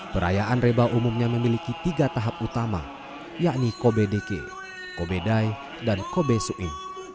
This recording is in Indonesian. perayaan reba umumnya memiliki tiga tahap utama yakni kobe deke kobe dai dan kobe suing